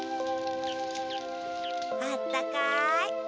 あったかい。